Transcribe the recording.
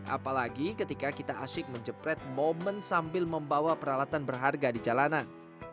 apalagi ketika kita asyik menjepret momen sambil membawa peralatan berharga di jalanan